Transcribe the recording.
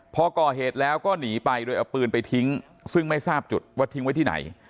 พอก่อเหตุแล้วก็หนีไปโดยเอาปืนไปทิ้งซึ่งไม่ทราบจุดว่าทิ้งไว้ที่ไหน